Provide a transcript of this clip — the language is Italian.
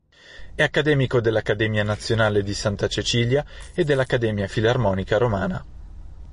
È Accademico dell'Accademia Nazionale di Santa Cecilia e dell'Accademia Filarmonica Romana.